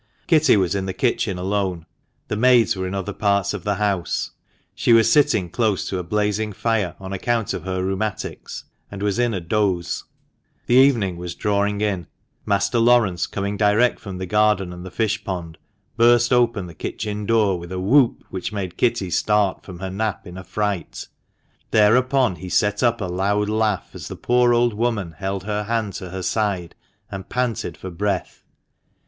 Kitty was in the kitchen alone. The maids were in other parts of the house. She was sitting close to a blazing fire on account of her " rheumatics," and was in a dose. The evening was drawing in. Master Laurence, coming direct from the garden and the fish pond, burst open the kitchen door with a whoop which made Kitty start from her nap in a fright. Thereupon he set up a loud laugh as the poor old woman held her hand to her side, and panted for breath.